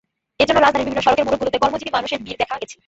এ জন্য রাজধানীর বিভিন্ন সড়কের মোড়গুলোতে কর্মজীবী মানুষের ভিড় দেখা গেছে।